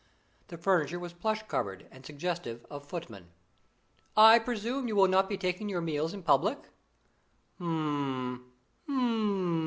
The furniture was plush covered and suggestive of footmen. "I presume you will not be taking your meals in public?" "H'm! H'm!"